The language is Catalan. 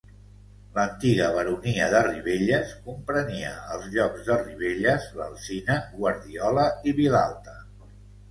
L'antiga baronia de Ribelles comprenia els llocs de Ribelles, l'Alzina, Guardiola i Vilalta.